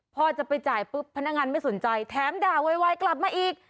พอจะไปจ่ายปุ๊บพนักงานไม่สนใจแถมด่าไวกลับมาอีก